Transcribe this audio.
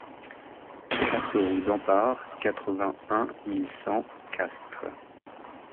quatre rue d'Empare, quatre-vingt-un mille cent Castres